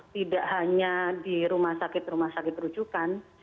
tidak hanya di rumah sakit rumah sakit rujukan